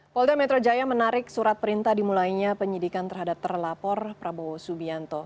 polda metro jaya menarik surat perintah dimulainya penyidikan terhadap terlapor prabowo subianto